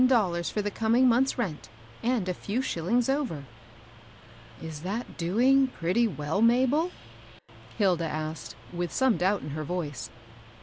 235 dollars for the coming month's rent, and a few shillingjj over/' " Is that doing pretty well, Mabel ?" Hilda asked, with some doubt in her voice.